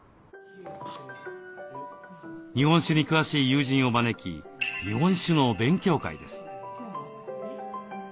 日本酒に詳しい友人を招き日本酒の勉強会です。